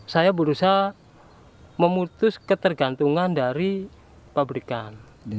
saya berusaha memutus ketergantungan dari pabrikan